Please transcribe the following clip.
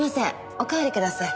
おかわりください。